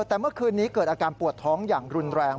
แต่เมื่อคืนนี้เกิดอาการปวดท้องอย่างรุนแรง